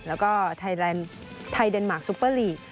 แล้วก็ไทยเดนมาร์คซุปเปอร์ลีก